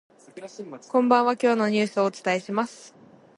こんばんは、今日のニュースをお伝えします。